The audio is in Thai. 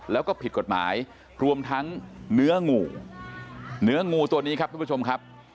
แล้วก็ผิดกฎหมายรวมทั้งเนื้องูเนื้องูตัวนี้ครับทุกผู้ชมครับ